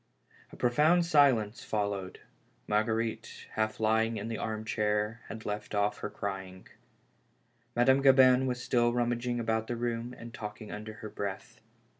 A profound silence followed. Marguerite, half lying in the arm chair, had left off crying. Madame Gabin was still rummaging about the room, and talking under her breath.